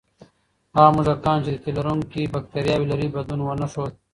هغه موږکان چې د تیلرونکي بکتریاوې لري، بدلون ونه ښود.